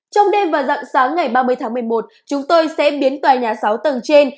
trong đêm và dạng sáng ngày ba mươi tháng một mươi một chúng tôi sẽ biến tòa nhà sáu tầng trên